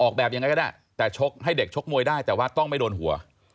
แบบยังไงก็ได้แต่ชกให้เด็กชกมวยได้แต่ว่าต้องไม่โดนหัว